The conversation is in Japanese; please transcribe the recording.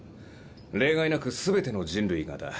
例外なく全ての人類がだ。